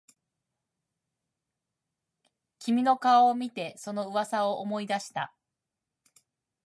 君の顔を見てその噂を思い出した